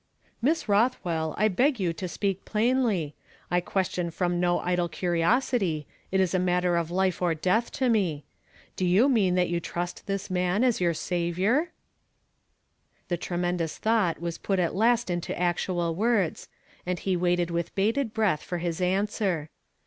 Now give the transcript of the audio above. "Miss Roth well, I beg you to speak plainly. I question from no idle curiosity ; it is a matter of life or death to me. Do you mean that you trust this man as your Saviour? " The tremendous thought was put at last into actual words, and he waited with bated breath for his answer.